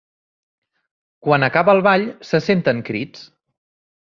Quan acaba el ball se senten crits.